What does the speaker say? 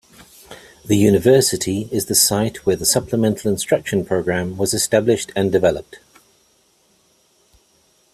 The University is the site where the Supplemental Instruction program was established and developed.